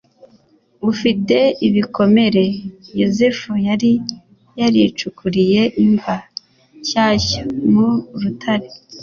ufite ibikomere. Yosefu yari yaricukuriye imva nshyashya mu rutare,